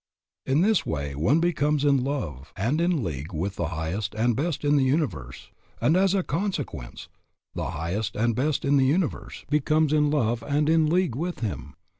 In this way one becomes in love and in league with the highest and best in the universe, and as a consequence, the highest and best in the universe becomes in love and in league with him.